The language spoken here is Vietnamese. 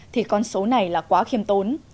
thì con số này là quá khiêm tốn